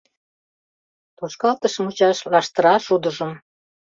Тошкалтыш мучаш лаштыра шудыжым